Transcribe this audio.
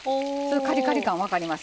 カリカリ感分かります？